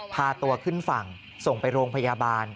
พาตัวขึ้นฝั่งส่งไปโรงพยาบาล